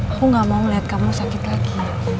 aku nggak mau liat kamu sakit lagi